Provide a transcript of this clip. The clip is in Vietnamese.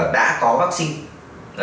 đã có vắc xin